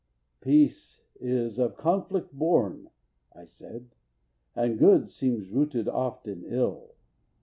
"Peace is of conflict born," I said, "and good Seems rooted oft in ill.